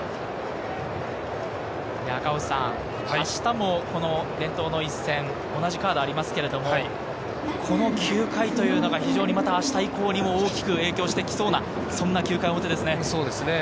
明日もこの伝統の一戦、同じカードがありますけれど、この９回というのは非常に明日以降にも大きく影響してきそうな、そんな９回表ですね。